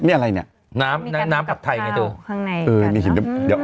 นี่อะไรน่ะน้ำปัดไทยไงดู